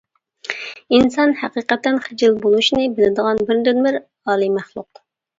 ئىنسان ھەقىقەتەن خىجىل بولۇشنى بىلىدىغان بىردىنبىر ئالىي مەخلۇق.